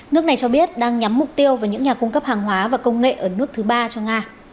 nước này cho biết đang nhắm mục tiêu vào những nhà cung cấp hàng hóa và công nghệ ở nước thứ ba cho nga